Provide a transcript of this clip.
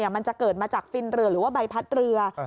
มันจะเกิดมาจากฟินเรือหรือว่าใบพัดเรือ